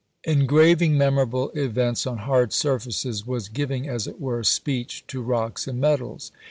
Engraving memorable events on hard substances was giving, as it were, speech to rocks and metals.